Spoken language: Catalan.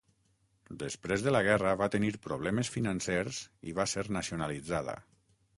Després de la guerra va tenir problemes financers i va ser nacionalitzada.